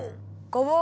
ごぼう！